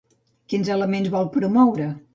Quins elements vol promoure?